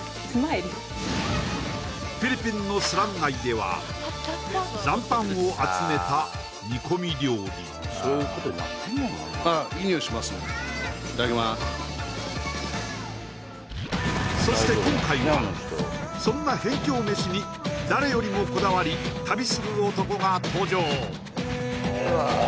フィリピンのスラム街では残飯を集めた煮込み料理そして今回はそんな辺境飯に誰よりもこだわり旅する男が登場うわ